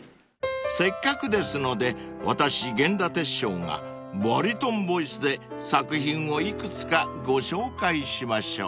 ［せっかくですので私玄田哲章がバリトンボイスで作品を幾つかご紹介しましょう］